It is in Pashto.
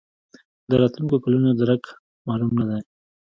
د راتلونکو کلونو درک معلوم نه دی.